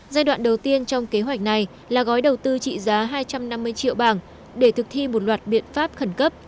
giai đoạn đầu tiên trong kế hoạch này là gói đầu tư trị giá hai trăm năm mươi triệu bảng để thực thi một loạt biện pháp khẩn cấp